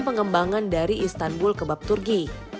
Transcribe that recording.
pengembangan dari istanbul kebab turki